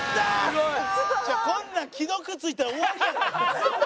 こんなん既読ついたら終わりやから。